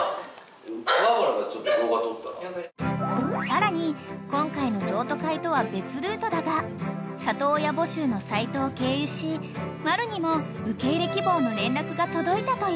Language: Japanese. ［さらに今回の譲渡会とは別ルートだが里親募集のサイトを経由しマルにも受け入れ希望の連絡が届いたという］